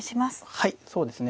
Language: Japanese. はいそうですね